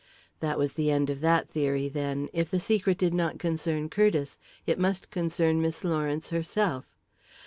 That was the end of that theory, then. If the secret did not concern Curtiss, it must concern Miss Lawrence herself.